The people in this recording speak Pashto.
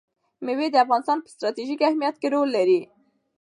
مېوې د افغانستان په ستراتیژیک اهمیت کې رول لري.